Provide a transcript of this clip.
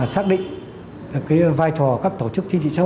xác định vai trò các tổ chức chính trị xã hội